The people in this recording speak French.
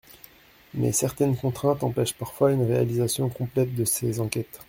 Mais certaines contraintes empêchent parfois une réalisation complète de ces enquêtes.